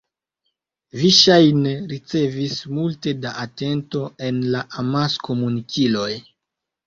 Vi ŝajne ricevis multe da atento en la amaskomunikiloj.